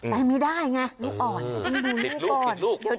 ไปไม่ได้ไงนี่อ่อนนี่อยู่นี่ก่อน